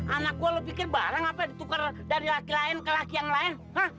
anak gue lo pikir barang apa ditukar dari laki laki lain ke laki yang lain